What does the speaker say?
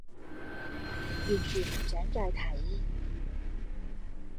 完全唔想再睇